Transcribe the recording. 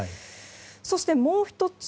そして、もう１つ